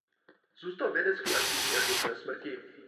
Zůstal vědecky aktivní až do své smrti.